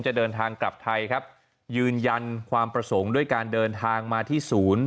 จะเดินทางกลับไทยครับยืนยันความประสงค์ด้วยการเดินทางมาที่ศูนย์